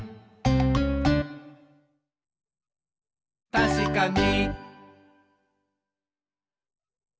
「たしかに！」